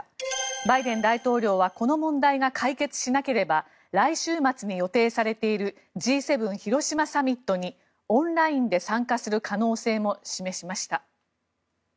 バイデン大統領はこの問題が解決しなければ来週末に予定されているＧ７広島サミットにオンラインで参加する可能性も示しました。